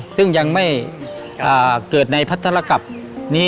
ซึ่งยังไม่เกิดในพัทรกับนี้